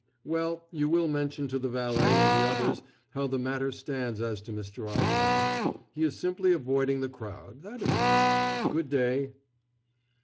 "Well, you will mention to the valet and the others how the matter stands as to Mr. Osborne. He is simply avoiding the crowd that is all. Good day."